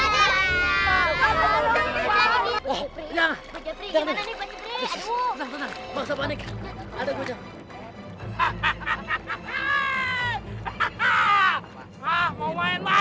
jangan bang udah gak mau ini dah